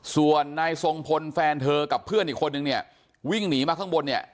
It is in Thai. ส่วนในส่วนพันธุ์แฟนเธอกับเพื่อนอีกคนหนึ่งวิ่งหนีมาข้างบน